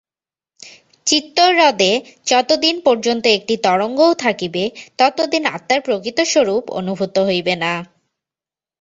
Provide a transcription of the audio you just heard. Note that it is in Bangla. চিত্তহ্রদে যতদিন পর্যন্ত একটি তরঙ্গও থাকিবে, ততদিন আত্মার প্রকৃত স্বরূপ অনুভূত হইবে না।